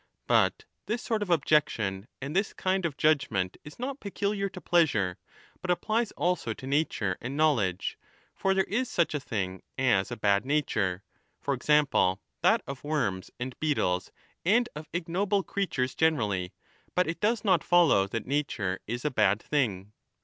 But this sort of objection and this kind of judgement is not peculiar to pleasure, but applies also to nature and know ledge. For there is such a thing as a bad nature, for 30 example that of worms and beetles and of ignoble creatures generally, but it does not follow that nature is a bad thing.